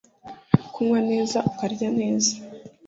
Kunywa neza ukarya neza